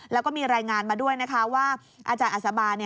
แล้วก็มีรายงานมาด้วยนะคะว่าอาจารย์อัศบาล